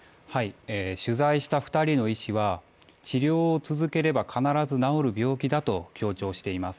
取材した２人の医師は、治療を続ければ必ず治る病気だと強調しています。